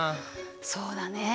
そうだね。